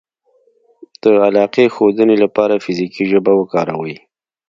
-د علاقې ښودنې لپاره فزیکي ژبه وکاروئ